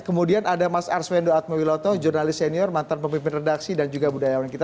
kemudian ada mas arswendo atmawiloto jurnalis senior mantan pemimpin redaksi dan juga budayawan kita